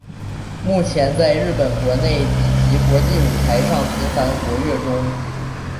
目前在日本国内以及国际舞台上频繁活跃中。